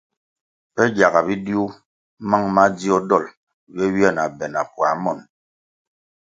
Pe gyaga bidiu mang madzio dolʼ ywe ywia na be na puā monʼ.